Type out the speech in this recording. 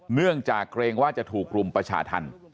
เมื่อจากเกรงว่าจะถูกลุ่มประชาธัณฑ์